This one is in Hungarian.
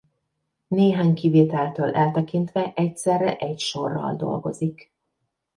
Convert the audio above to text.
Néhány kivételtől eltekintve egyszerre egy sorral dolgozik.